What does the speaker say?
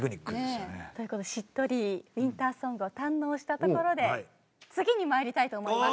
しっとりウインターソングを堪能したところで次に参りたいと思います。